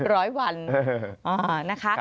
ร้อยวันนะคะ